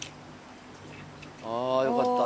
あぁよかった。